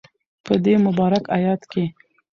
په دی مبارک ایت کی